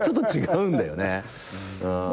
うん。